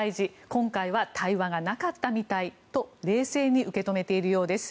今回は対話がなかったみたいと冷静に受け止めているようです。